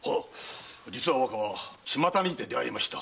実は若は巷にて出会いました女